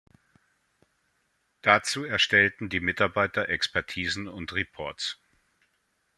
Dazu erstellten die Mitarbeiter Expertisen und Reports.